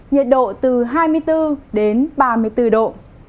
nhiệt độ từ hai mươi bốn đến ba mươi bốn độ